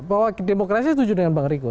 bahwa demokrasi setuju dengan bang riko